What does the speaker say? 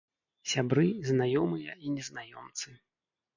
Сябры, знаёмыя і незнаёмцы.